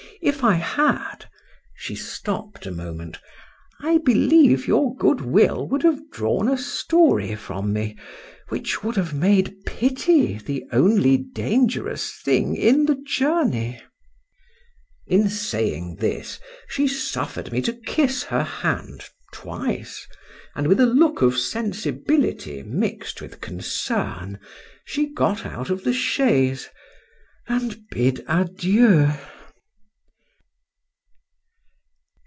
—If I had—(she stopped a moment)—I believe your good will would have drawn a story from me, which would have made pity the only dangerous thing in the journey. In saying this, she suffered me to kiss her hand twice, and with a look of sensibility mixed with concern, she got out of the chaise,—and bid adieu.